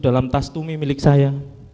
dalam tas tumi milik saya